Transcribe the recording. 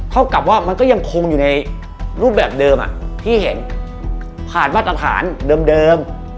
เท่ากับว่ามันก็ยังคงอยู่ในรูปแบบเดิมที่เห็นผ่านมาตรฐานเดิม